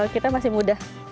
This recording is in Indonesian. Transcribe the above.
kita masih mudah